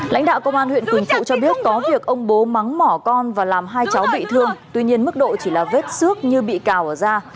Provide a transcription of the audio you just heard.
lãnh đạo công an huyện quỳnh phụ cho biết có việc ông bố mắng mỏ con và làm hai cháu bị thương tuy nhiên mức độ chỉ là vết xước như bị cào ở ra